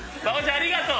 ありがとう！